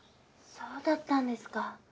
そうだったんですか。